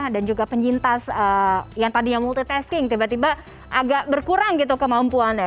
dan juga pencintas yang tadi yang multitasking tiba tiba agak berkurang gitu kemampuan ya